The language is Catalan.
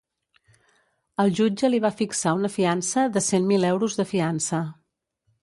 El jutge li va fixar una fiança de cent mil euros de fiança.